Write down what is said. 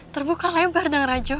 terbuka lebar dan rajo